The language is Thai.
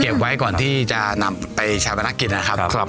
ไว้ก่อนที่จะนำไปชาปนกิจนะครับ